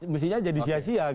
maksudnya jadi sia sia